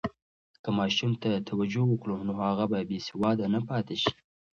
که ماشوم ته توجه وکړو، نو هغه به بې سواده نه پاتې شي.